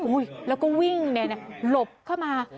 แล้วก็วิ่งหลบเข้ามา